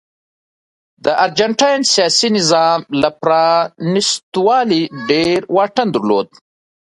د ارجنټاین سیاسي نظام له پرانیستوالي ډېر واټن درلود.